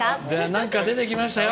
なんか、出てきましたよ！